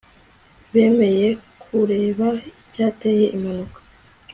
bemeye kureba icyateye impanuka